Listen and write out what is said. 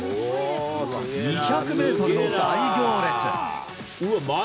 ２００メートルの大行列。